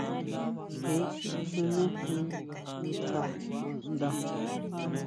Je titjunejun ntsja xuʼnda.